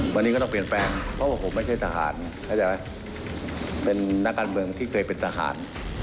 วันนี้ก็ต้องเปลี่ยนแปลงเพราะว่าผมไม่ใช่ทหารเข้าใจไหมเป็นนักการเมืองที่เคยเป็นทหาร